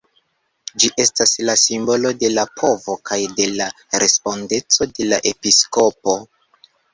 Ĝi estas la simbolo de la povo kaj de la respondeco de la episkopo.